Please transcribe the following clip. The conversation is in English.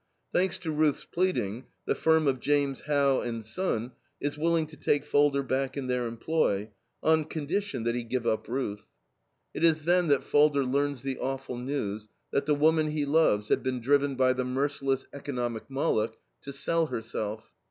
Thanks to Ruth's pleading, the firm of James How and Son is willing to take Falder back in their employ, on condition that he give up Ruth. It is then that Falder learns the awful news that the woman he loves had been driven by the merciless economic Moloch to sell herself.